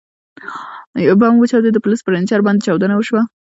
ـ بم وچاودېد، د پولیسو پر رینجر باندې چاودنه وشوه.